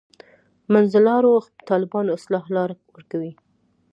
منځلارو طالبانو اصطلاح لاره ورکوي.